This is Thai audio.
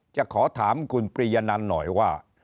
จะขอถามคุณปริยนันหน่อยว่า